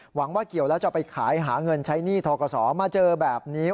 หวังว่าเกี่ยวแล้วจะไปขายหาเงินใช้หนี้ทกศมาเจอแบบนี้